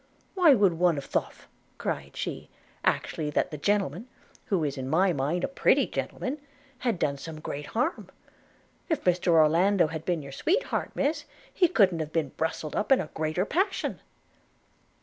'Why one would have thof,' cried she, 'actually that the gentlemen, who is in my mind a pretty gentleman, had done some great harm. If Mr Orlando had been your sweetheart, Miss, he couldn't have been brustled up in a greater passion.'